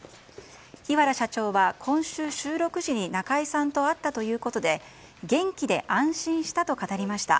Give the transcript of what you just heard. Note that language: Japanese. ヒワラ社長は今週収録時に中居さんに会ったということで元気で安心したと語りました。